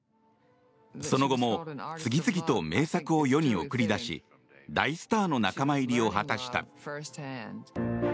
その後も次々と名作を世に送り出し大スターの仲間入りを果たした。